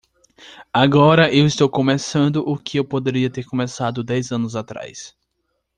Agora eu estou começando o que eu poderia ter começado dez anos atrás.